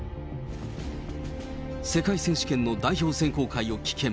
世界選手権の代表選考会を棄権。